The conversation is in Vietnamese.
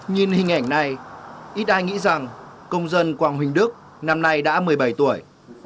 nhìn hình ảnh này ít ai nghĩ rằng công dân quang huỳnh đức năm nay đã một mươi bảy tuổi